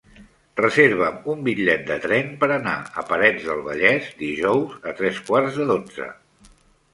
Reserva'm un bitllet de tren per anar a Parets del Vallès dijous a tres quarts de dotze.